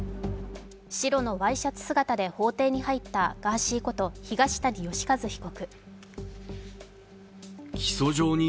白のワイシャツ姿で法廷に入ったガーシーこと東谷義和被告。